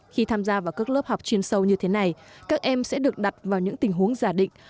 khi tham gia vào các lớp học chuyên sâu như thế này các em sẽ được đặt vào những tình huống giả định